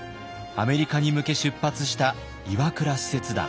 アメリカに向け出発した岩倉使節団。